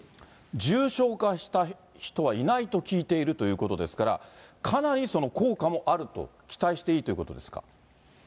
重症化した人はいないと聞いているということですから、かなり効果もあると、期待していいということですか？